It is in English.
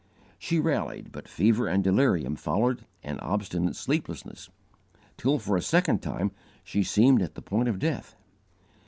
She rallied; but fever and delirium followed and obstinate sleeplessness, till, for a second time, she seemed at the point of death.